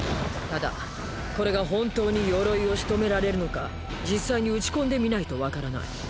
ただこれが本当に鎧を仕留められるのか実際に撃ち込んでみないとわからない。